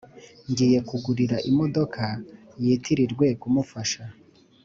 ngiye kugurira imodoka yitirirwe kumufasha